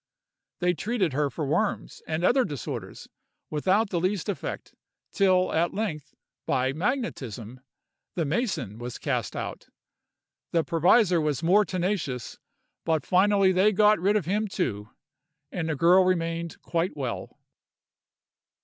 They treated her for worms, and other disorders, without the least effect; till at length, by magnetism, the mason was cast out. The provisor was more tenacious, but finally they got rid of him too, and the girl remained quite well.